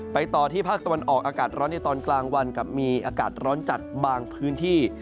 ต่อที่ภาคตะวันออกอากาศร้อนในตอนกลางวันกับมีอากาศร้อนจัดบางพื้นที่